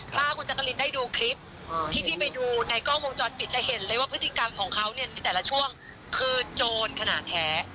ถ้าคุณจักรินได้ดูคลิปที่พี่ไปดูในกล้องวงจรปิดจะเห็นเลยว่าพฤติกรรมของเขาเนี่ยในแต่ละช่วงคือโจรขนาดแท้